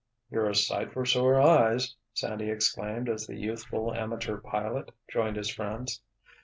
"You're a sight for sore eyes!" Sandy exclaimed as the youthful amateur pilot joined his friends.